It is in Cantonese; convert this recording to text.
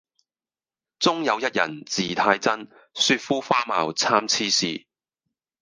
中有一人字太真，雪膚花貌參差是。